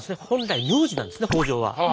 本来名字なんですね北条は。